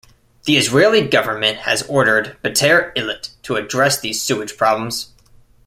The Israeli government has ordered Beitar Illit to address these sewage problems.